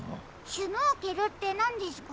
シュノーケルってなんですか？